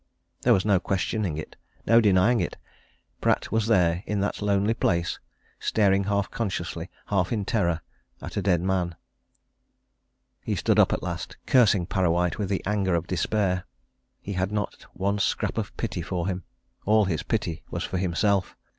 There was no questioning it, no denying it Pratt was there in that lonely place, staring half consciously, half in terror, at a dead man. He stood up at last, cursing Parrawhite with the anger of despair. He had not one scrap of pity for him. All his pity was for himself.